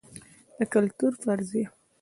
د کلتور فرضیه